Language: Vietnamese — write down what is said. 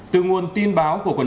từ nguồn tin báo của quý vị